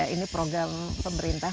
ini program pemerintah